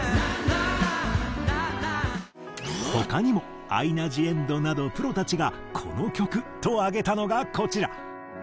他にもアイナ・ジ・エンドなどプロたちがこの曲と挙げたのがこちら。